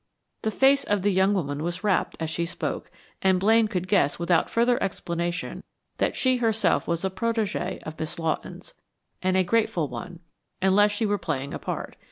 The face of the young woman was rapt as she spoke, and Blaine could guess without further explanation that she herself was a protégée of Miss Lawton's, and a grateful one unless she were playing a part.